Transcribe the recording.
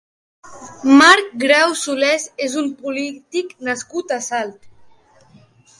Marc Grau Solés és un polític nascut a Salt.